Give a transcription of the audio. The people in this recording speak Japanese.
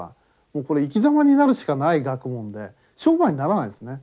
これ生きざまになるしかない学問で商売にならないんですね。